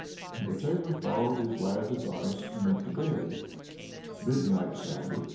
And the tailor followed his lad's advice, and went to bed. Midnight sounded.